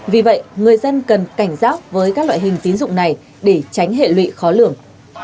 vì vậy người dân cần cảnh giác với các loại hình tín dụng này để tránh hệ lụy khó lường